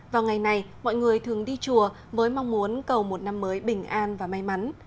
vào ngày này mọi người thường đi chùa với mong muốn cầu một năm mới bình an và may mắn